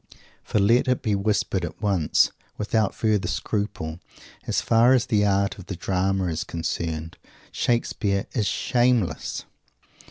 For let it be whispered at once, without further scruple. As far as the art of the drama is concerned, Shakespeare is _shameless.